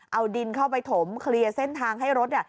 เอาดินเข้าไปถมเคลียร์เส้นทางให้รถ